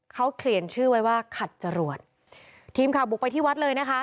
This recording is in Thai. เขาเขียนชื่อไว้ว่าขัดจรวดทีมข่าวบุกไปที่วัดเลยนะคะ